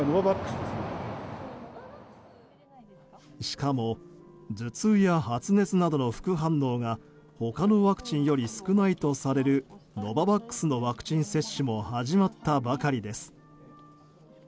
しかも、頭痛や発熱などの副反応が他のワクチンより少ないとされるノババックスのワクチン接種も始まったばかりです。